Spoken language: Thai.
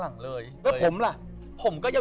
แล้วเรามี๑๙๕๖